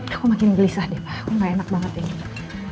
aku makin gelisah deh aku gak enak banget ini